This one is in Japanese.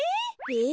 え？